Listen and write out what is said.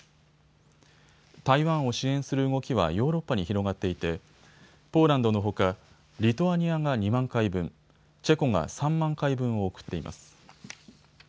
台湾を支援する動きはヨーロッパに広がっていてポーランドのほかリトアニアが２万回分、チェコが３万回分を送っています。